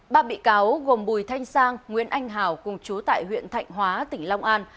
ba bị cáo gồm bùi thanh sang nguyễn anh hào cùng chú tại huyện thạnh hóa tỉnh long an